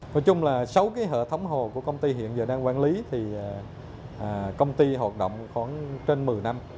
nói chung là sáu cái hệ thống hồ của công ty hiện giờ đang quản lý thì công ty hoạt động khoảng trên một mươi năm